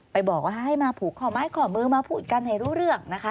ไปบอกว่าให้มาผูกข้อไม้ข้อมือมาพูดกันให้รู้เรื่องนะคะ